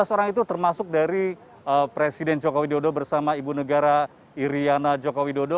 lima belas orang itu termasuk dari presiden jokowi dodo bersama ibu negara iriana jokowi dodo